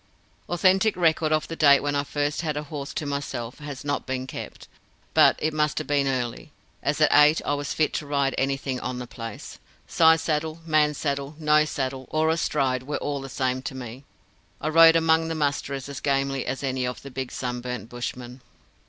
Authentic record of the date when first I had a horse to myself has not been kept, but it must have been early, as at eight I was fit to ride anything on the place. Side saddle, man saddle, no saddle, or astride were all the same to me. I rode among the musterers as gamely as any of the big sunburnt bushmen.